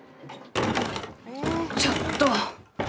ちょっと。